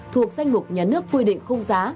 thuộc danh mục nhà nước quy định không giá